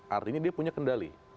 artinya dia punya kendali